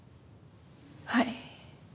はい。